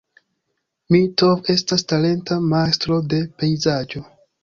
Mitov estas talenta majstro de pejzaĝo.